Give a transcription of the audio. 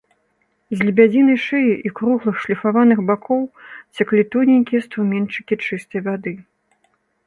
З лебядзінай шыі і круглых шліфаваных бакоў цяклі тоненькія струменьчыкі чыстай вады.